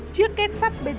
chiếc kết sắt bình tĩnh